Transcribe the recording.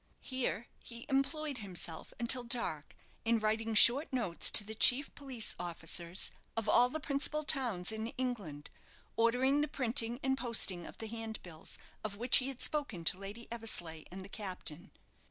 Here he employed himself until dark in writing short notes to the chief police officers of all the principal towns in England, ordering the printing and posting of the handbills of which he had spoken to Lady Eversleigh and the captain.